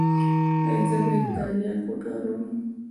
ایا زه باید تریاک وکاروم؟